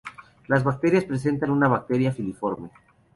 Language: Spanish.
Las flores presentan una bráctea filiforme.